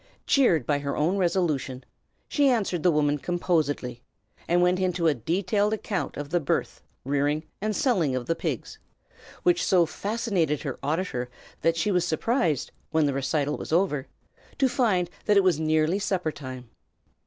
Cheered by her own resolution, she answered the woman composedly, and went into a detailed account of the birth, rearing, and selling of the pigs, which so fascinated her auditor that she was surprised, when the recital was over, to find that it was nearly supper time.